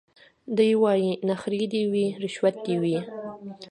دی وايي نخرې دي وي رشوت دي وي